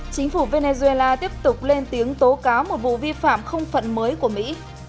chính phủ venezuela tiếp tục lên tiếng tố cáo một vụ vi phạm không phận mới của mỹ